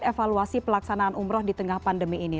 evaluasi pelaksanaan umroh di tengah pandemi ini